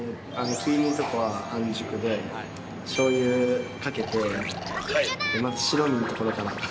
黄身とかは半熟で、しょうゆかけて、まず白身の所から。